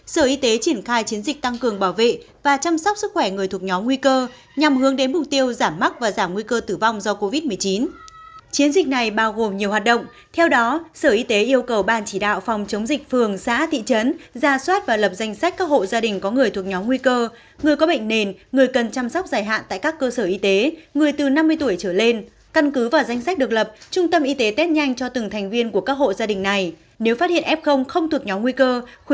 sở y tế triển khai chiến dịch tăng cường bảo vệ và chăm sóc sức khỏe người thuộc nhóm nguy cơ nhằm hướng đến mục tiêu giảm mắc và giảm nguy cơ tử vong do covid một mươi chín